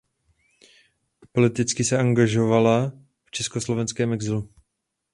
Politicky se angažovala v československém exilu.